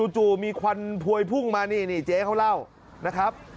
จู่มีควันพวยพุ่งมานี่นี่เจ๊เขาเล่านะครับ